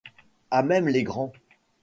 A même les grands.